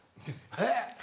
えっ？